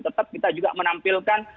tetap kita juga menampilkan